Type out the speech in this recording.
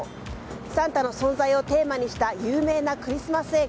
サンタの存在をテーマにした有名なクリスマス映画